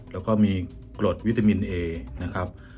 แล้วก็มีกรดวิตามินเอนะครับ